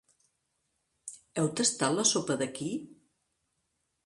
Heu tastat la sopa d'aquí?